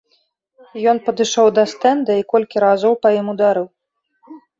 Ён падышоў да стэнда і колькі разоў па ім ударыў.